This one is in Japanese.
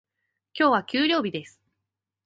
今日は給料日です。